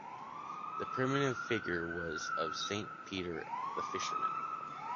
The primitive figure was of St. Peter the Fisherman.